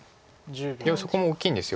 いやそこも大きいんです。